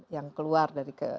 yang keluar dari ke